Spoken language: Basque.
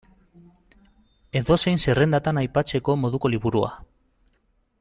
Edozein zerrendatan aipatzeko moduko liburua.